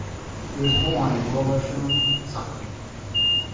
He was born in Willisham, Suffolk.